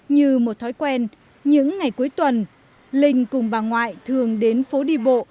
như một thói quen những ngày cuối tuần linh cùng bà ngoại thường đến phố đi bộ